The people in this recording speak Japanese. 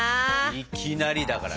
いきなりだからね。